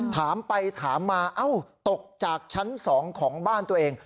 ถามไปข้างหนีถามมาตกหลายจากชั้น๒ของบ้านตัวเอง